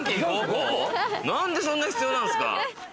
何でそんな必要なんすか？